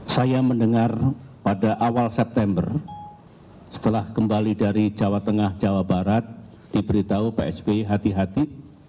saya mendengar pada awal september setelah kembali dari jawa tengah jawa barat diberitahu pak sby hati hati